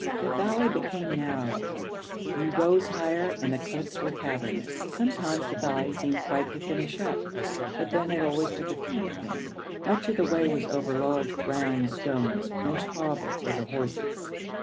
The valley became narrower, we rose higher, and the cliffs were cavernous. Sometimes the valley seemed quite to finish up, but then it always took a turn again. Much of the way was over large, round stones, most horrible for the horses.